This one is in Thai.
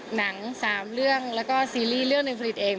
หนัง๓เรื่องแล้วก็ซีรีส์เรื่องหนึ่งผลิตเอง